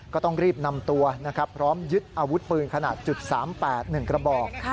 ก็ต้องรีบนำตัวพร้อมยึดอาวุธปืนขนาด๓๘หนึ่งกระบอก